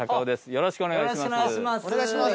よろしくお願いします。